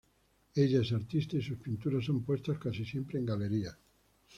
Ella es artista y sus pinturas son puestas casi siempre en galerías.